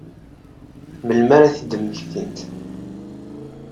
Melmi ara ad t-id-mmektint?